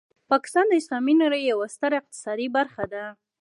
پاکستان د اسلامي نړۍ یوه ستره اقتصادي برخه ده.